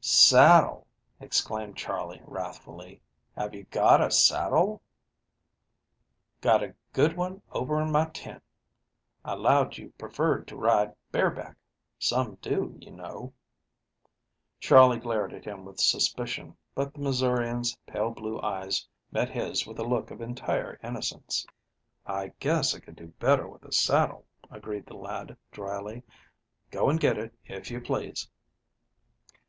"Saddle," exclaimed Charley wrathfully, "have you got a saddle?" "Got a good one over in my tent. I 'lowed you preferred to ride bare back. Some do, you know." Charley glared at him with suspicion, but the Missourian's pale blue eyes met his with a look of entire innocence. "I guess I could do better with a saddle," agreed the lad dryly. "Go and get it, if you please."